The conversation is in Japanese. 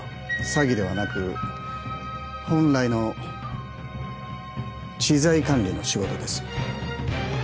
詐欺ではなく本来の知財管理の仕事です